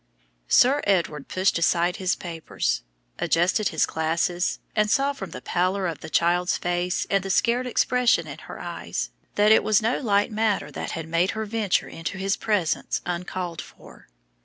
Sir Edward pushed aside his papers, adjusted his glasses, and saw from the pallor of the child's face and the scared expression in her eyes, that it was no light matter that had made her venture into his presence uncalled for.